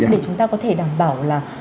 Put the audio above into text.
để chúng ta có thể đảm bảo là